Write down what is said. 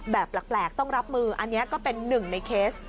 แบบแปลกต้องรับมืออันนี้ก็เป็นหนึ่งในเคส